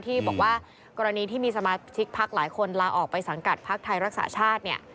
ที่บอกว่ากรณีที่มีสมาชิกพักหลายคนลาออกไปสังกัดพักไทยรักษาชาติเนี่ย